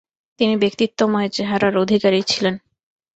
তিনি ব্যক্তিত্বময় চেহারার অধিকারী ছিলেন।